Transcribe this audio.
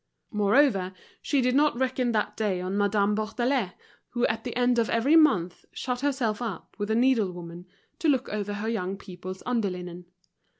Moreover, she did not reckon that day on Madame Bourdelais, who at the end of every month shut herself up with a needlewoman to look over her young people's under linen.